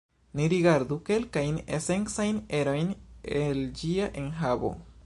Ni rigardu kelkajn esencajn erojn el ĝia enhavo.